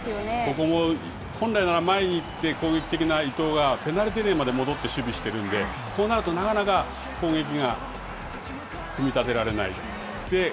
ここも、本来なら前に行って、攻撃的な伊東がペナルティーエリアまで戻って守備してるんで、こうなると、なかなか攻撃が組み立てられない。